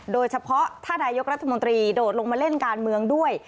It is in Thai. โดยเฉพาะถ้านายกรัฐมนตรีโดดลงมาเล่นการเมืองด้วย